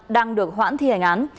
đang được hoãn thi hành án